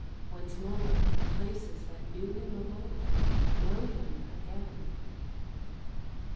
Once more the places that knew him of old, know him again.